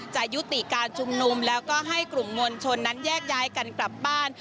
จะยุติการชุมนุมแล้วก็ให้กลุ่มมวลชนนั้นแยกย้ายกันกลับบ้าน